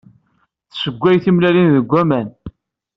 Tsewway timellalin deg waman